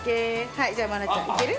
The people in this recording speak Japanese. はいじゃあ真愛ちゃんいける？